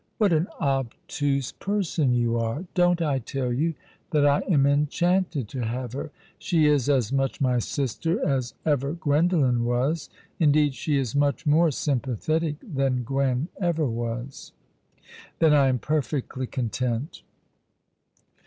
" What an obtuse person you are ! Don't I tell you that I am enchanted to have her ? She is as much my sister as ever Gwendolen was ; indeed, she is much more sympathetic than Gwen ever was." " Then I am perfectly content."